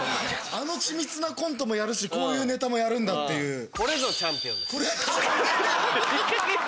あの緻密なコントもやるしこういうネタもやるんだっていう。